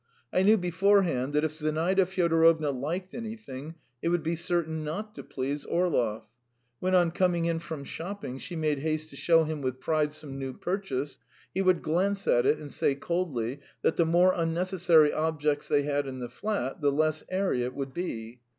I knew beforehand that if Zinaida Fyodorovna liked anything, it would be certain not to please Orlov. When on coming in from shopping she made haste to show him with pride some new purchase, he would glance at it and say coldly that the more unnecessary objects they had in the flat, the less airy it would be.